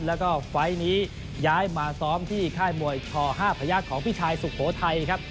แล้วก็ไฟล์นี้ย้ายมาซ้อมที่ค่ายมวยช๕พยักษ์ของพี่ชายสุโขทัยครับ